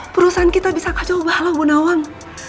perusahaan kita bisa kacau banget bu nawang